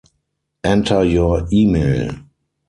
Enter your email